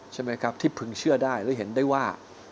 ใช่ไหมครับที่พึงเชื่อได้หรือเห็นได้ว่า